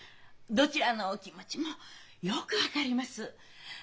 どちらのお気持ちもよく分かります。